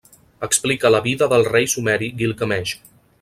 Explica la vida del rei sumeri Guilgameix.